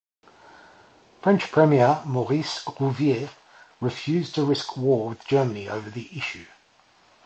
French Premier Maurice Rouvier refused to risk war with Germany over the issue.